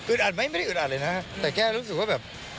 อัดไหมไม่ได้อึดอัดเลยนะฮะแต่แค่รู้สึกว่าแบบ